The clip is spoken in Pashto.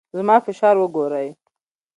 زما فشار وګورئ.